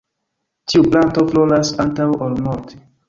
Tiu planto floras antaŭ ol morti.